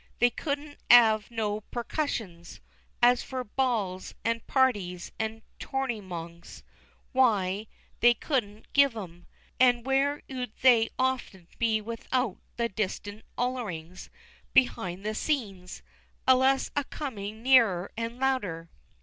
They couldn't 'ave no percessions; as for balls, and parties, and torneymongs, why, they couldn't give 'em. And where 'ud they often be without the "distant ollerings" behind the scenes, allus a comin' nerer and louder.